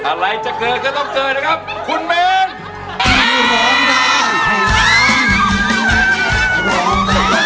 อะไรจะเกิดก็ต้องเกิดนะครับคุณเมน